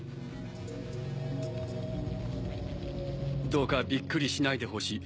どうかびっくりしないでほしい。